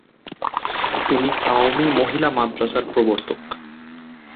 তিনি কওমি মহিলা মাদ্রাসার প্রবর্তক।